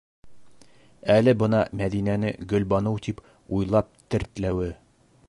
Әле бына Мәҙинәне Гөлбаныу тип уйлап тертләүе!